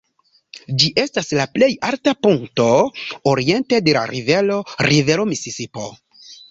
Ĝi estas la plej alta punkto oriente de la Rivero Rivero Misisipo.